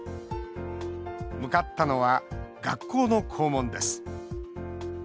向かったのは学校の校門です。